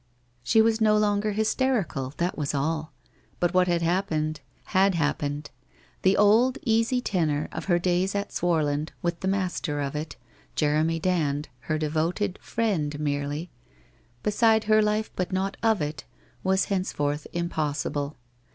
She was no longer hysterical, that was all. But what had happened — had happened ! The old easy tenor of her days at Swarland with the master of it, Jeremy Dand, her devoted friend merely; beside her life, but not of it, was henceforth impossible.